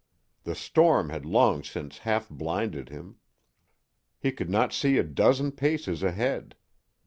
The storm had long since half blinded him. He could not see a dozen paces ahead.